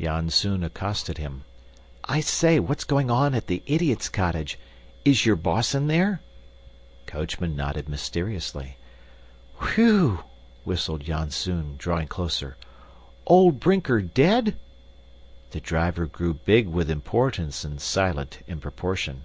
Janzoon accosted him. "I say. What's going on at the idiot's cottage? Is your boss in there?" Coachman nodded mysteriously. "Whew!" whistled Janzoon, drawing closer. "Old Brinker dead?" The driver grew big with importance and silent in proportion.